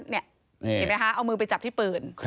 เห็นไหมคะเอามือไปจับที่ปืน